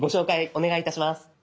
お願いいたします。